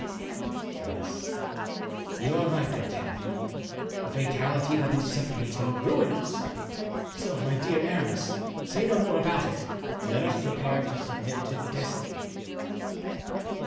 "Yes, you are right, D'Artagnan, a fatality that will separate and ruin us! So, my dear Aramis, say no more about it and let us prepare to submit to destiny."